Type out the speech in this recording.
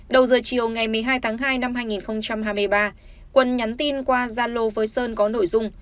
đầu giờ chiều ngày một mươi hai tháng hai năm hai nghìn hai mươi ba quân nhắn tin qua zalo với sơn có nội dung